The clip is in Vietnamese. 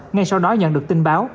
ngay sau đó nhận được tin báo